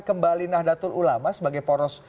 kembali nahdlatul ulama sebagai poros